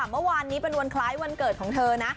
เมื่อวานนี้เป็นวันคล้ายวันเกิดของเธอนะ